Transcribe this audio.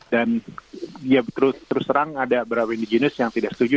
dan ya terus terang ada berapa indigenous yang tidak setuju